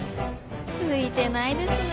ついてないですね